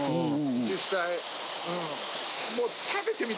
実際。